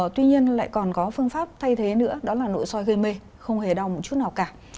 tuy nhiên lại còn có phương pháp thay thế nữa đó là nội soi gây mê không hề đau một chút nào cả